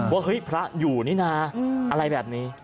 ว่าเฮ้ยพระอยู่นี่นะอะไรแบบนี้